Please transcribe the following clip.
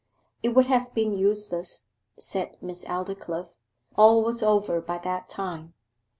'It would have been useless,' said Miss Aldclyffe. 'All was over by that time.